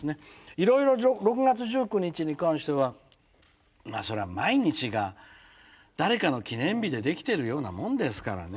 いろいろ６月１９日に関してはまあそりゃ毎日が誰かの記念日でできてるようなもんですからね。